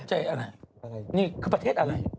ใจอะไรนี่คือประเทศอะไร